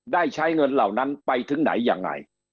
ได้ใช้เงินเหล่านั้นไปถึงไหนยังไง